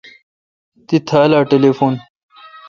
کی تھال ٹلیفون ۔